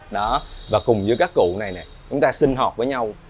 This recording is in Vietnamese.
đó và cùng với các cụ này nè chúng ta sinh hợp với nhau